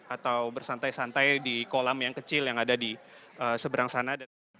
atau bersantai santai di kolam yang kecil yang ada di seberang sana